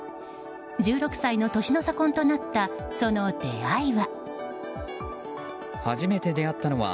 １６歳の年の差婚となったその出会いは。